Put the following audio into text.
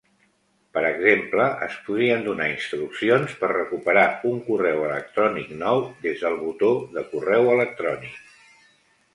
Per exemple, es podrien donar instruccions per recuperar un correu electrònic nou des del botó de correu electrònic.